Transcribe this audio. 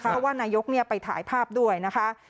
เพราะว่านายกไปถ่ายภาพด้วยนะคะ